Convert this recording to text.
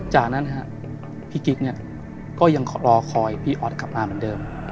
จากนั้นพี่กิ๊กเนี่ยก็ยังรอคอยพี่ออสกลับมาเหมือนเดิม